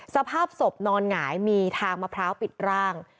สภาพศพนอนหงายมีทางมะพร้าวปิดร่าง